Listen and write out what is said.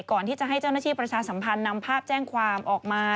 ก่อนที่จะให้เจ้าหน้าที่ประชาสัมพันธ์นำภาพแจ้งความออกมา